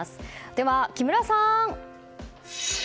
では、木村さん！